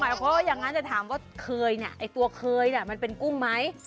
โอเคอย่างนั้นจะถามว่าเคยตัวเคยมันเป็นกุ้งไหม